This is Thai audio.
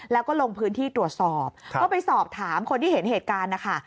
แล้วก็ลงพื้นที่ตรวจสอบก็ไปสอบถามคนที่เห็นเหตุการณ์นะคะ